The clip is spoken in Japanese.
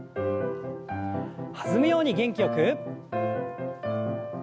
弾むように元気よく。